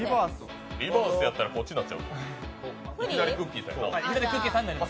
リバースになったらこっちになっちゃう。